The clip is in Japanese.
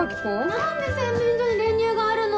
何で洗面所に練乳があるのよ。